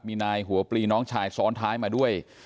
มีนายหัวปลีน้องชายซ้อนท้าย